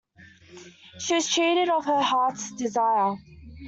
She was cheated of her heart's desire.